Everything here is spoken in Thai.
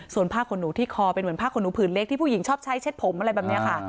ส่วนผ้าขนหนูที่คอเป็นเหมือนผ้าขนหนูผืนเล็กที่ผู้หญิงชอบใช้เช็ดผมอะไรแบบนี้ค่ะ